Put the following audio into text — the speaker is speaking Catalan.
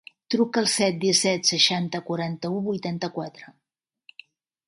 Truca al set, disset, seixanta, quaranta-u, vuitanta-quatre.